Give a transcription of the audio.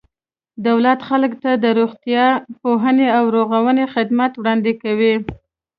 دولت خلکو ته د روغتیا، پوهنې او رغونې خدمات وړاندې کوي.